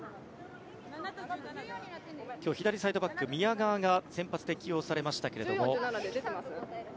左サイドバック、宮川が先発で起用されましたが。